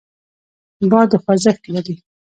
باد خوځښت لري.